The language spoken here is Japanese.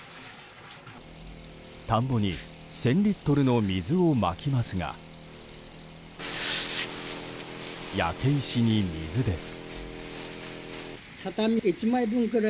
田んぼに１０００リットルの水をまきますが焼け石に水です。